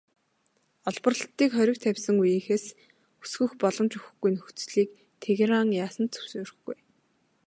Олборлолтыг хориг тавьсан үеийнхээс өсгөх боломж өгөхгүй нөхцөлийг Тегеран яасан ч зөвшөөрөхгүй.